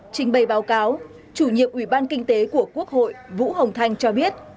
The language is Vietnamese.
trình bày báo cáo chủ nhiệm ủy ban kinh tế của quốc hội vũ hồng thanh cho biết